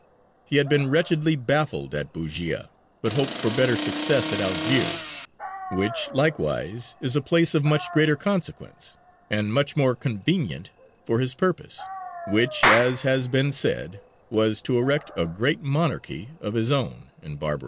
He had been wretchedly baffled at Bujēya, but hoped for better success at Algiers, which, likewise, is a place of much greater consequence, and much more convenient for his purpose, which, as has been said, was to erect a great monarchy of his own in Barbary."